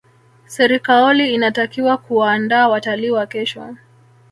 serikaoli inatakiwa kuwaandaa watalii wa kesho